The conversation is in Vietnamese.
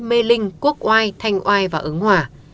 mê linh quốc oai thanh oai và ứng hòa